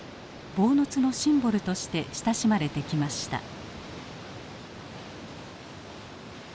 坊津のシンボルとして親しまれてきました。